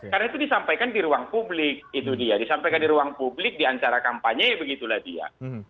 karena itu disampaikan di ruang publik itu dia disampaikan di ruang publik di ancara kampanye begitulah dia